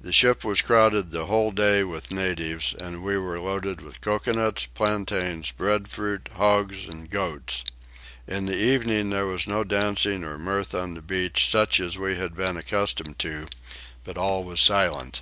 The ship was crowded the whole day with the natives, and we were loaded with coconuts, plantains, breadfruit, hogs, and goats. In the evening there was no dancing or mirth on the beach such as we had been accustomed to, but all was silent.